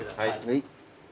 はい。